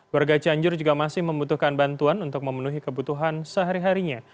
warga cianjur juga masih membutuhkan bantuan untuk memenuhi kebutuhan sehari harinya